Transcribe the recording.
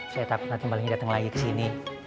saya tak pernah tembalin datang lagi kesini